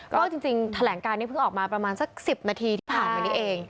ก็จริงแถลงการนี้เพิ่งออกมาประมาณสัก๑๐นาทีที่ผ่านมานี้เอง